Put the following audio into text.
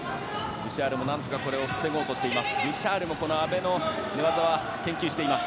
ブシャールも何とかこれを防ごうとしています。